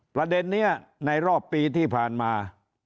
ประเด็นนี้ในรอบปีที่ผ่านมา